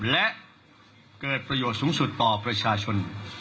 และเกิดประโยชน์สูงสุดต่อประชาชน